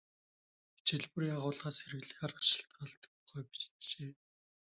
Хичээл бүрийн агуулгаас хэрэглэх арга шалтгаалдаг тухай бичжээ.